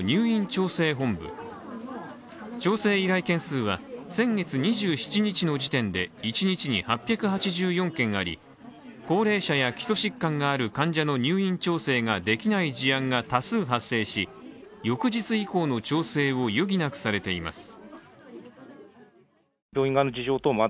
調整依頼件数は先月２７日の時点で一日に８８４件あり、高齢者や基礎疾患がある患者の入院調整ができない事案が多数発生し翌日以降の調整を余儀なくされています。